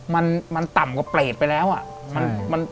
มันต่ำกว่าเปรตไปแล้วอะ